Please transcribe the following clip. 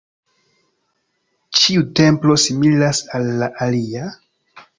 Ĉiu templo similas al la alia.